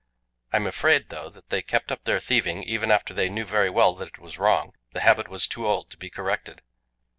I am afraid, though, that they kept up their thieving even after they knew very well that it was wrong; the habit was too old to be corrected.